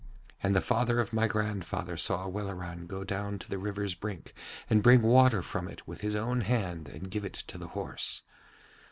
And the father of my grandfather saw Welleran go down to the river's brink and bring water from it with his own hand and give it to the horse.